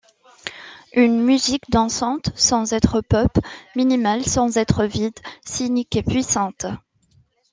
Une musique dansante sans être pop, minimale sans être vide, cynique et puissante.